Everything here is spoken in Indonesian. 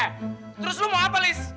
eh terus lo mau apa liz